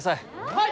はい！